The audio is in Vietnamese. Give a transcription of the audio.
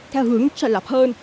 theo hướng trò lọc hơn